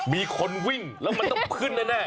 มีคนวิ่งแล้วมันต้องขึ้นแน่